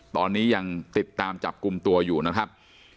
ตอนนี้ยังติดตามจับกลุ่มตัวอยู่นะครับ